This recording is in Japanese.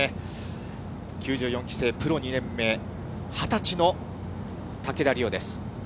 ９４期生、プロ２年目、２０歳の竹田麗央です。